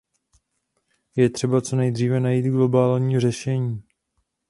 Je třeba co nejdříve najít globální řešení.